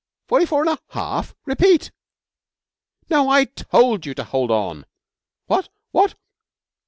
Forty four and a half? Repeat. No! I told you to hold on. What? What?